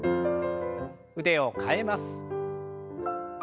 腕を替えます。